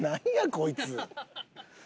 こいつ。